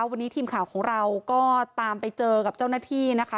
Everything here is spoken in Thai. วันนี้ทีมข่าวของเราก็ตามไปเจอกับเจ้าหน้าที่นะคะ